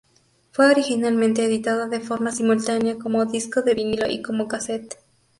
Fue originalmente editado de forma simultánea como disco de vinilo y como casete.